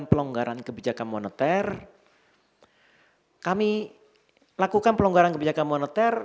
pelonggaran kebijakan moneter kami lakukan pelonggaran kebijakan moneter